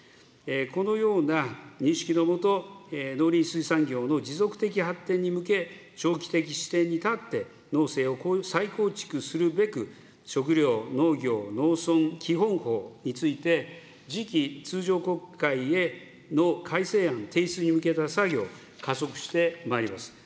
このような認識のもと、農林水産業の持続的な発展に向け、長期的視点に立って農政を再構築するべく、食料・農業・農村基本法について、次期通常国会への改正案提出に向けた作業を加速してまいります。